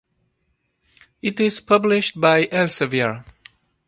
It is published by Elsevier.